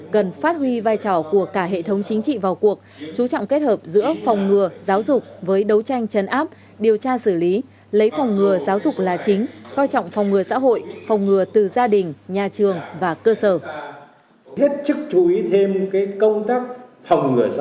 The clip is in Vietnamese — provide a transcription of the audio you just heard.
cần phát huy vai trò của cả hệ thống chính trị vào cuộc chú trọng kết hợp giữa phòng ngừa giáo dục với đấu tranh chấn áp điều tra xử lý lấy phòng ngừa giáo dục là chính coi trọng phòng ngừa xã hội phòng ngừa từ gia đình nhà trường và cơ sở